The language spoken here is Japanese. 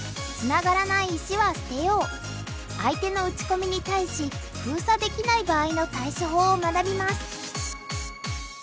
相手の打ち込みに対し封鎖できない場合の対処法を学びます。